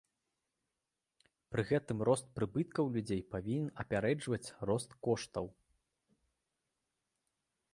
Пры гэтым рост прыбыткаў людзей павінен апярэджваць рост коштаў.